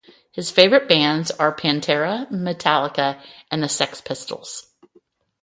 His favorite bands are Pantera, Metallica, and The Sex Pistols.